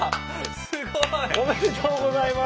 すごい！おめでとうございます！